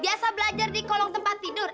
biasa belajar di kolong tempat tidur